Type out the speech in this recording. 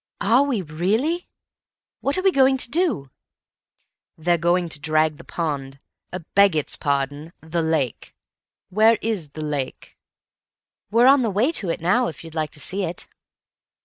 "Are we really? What are we going to do?" "They're going to drag the pond—beg its pardon, the lake. Where is the lake?" "We're on the way to it now, if you'd like to see it."